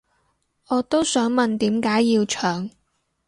我都想問點解要搶